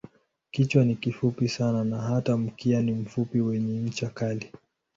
Kichwa ni kifupi sana na hata mkia ni mfupi wenye ncha kali.